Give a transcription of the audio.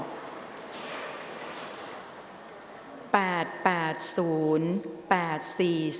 ออกรางวัลที่๒ครั้งที่๓เลขที่ออก